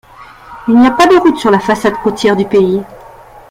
Il n'y a pas de route sur la façade côtière du pays.